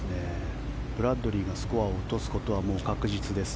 ブラッドリーがスコアを落とすことはもう確実です。